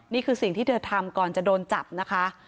นี่คือสิ่งที่เธอทำก่อนจะโดนจับนะคะ